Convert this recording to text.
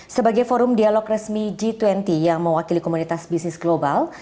sebagai forum dialog resmi g dua puluh yang mewakili komunitas bisnis global